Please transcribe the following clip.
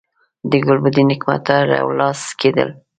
د ګلبدین حکمتیار یو لاس کېدل.